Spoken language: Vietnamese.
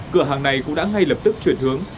cửa hàng này cũng đã ngay lập tức chuyển hướng